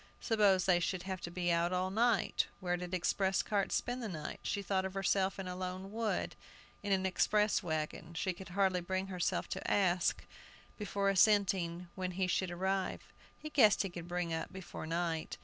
Suppose they should have to be out all night? Where did express carts spend the night? She thought of herself in a lone wood, in an express wagon! She could hardly bring herself to ask, before assenting, when he should arrive. "He guessed he could bring up before night."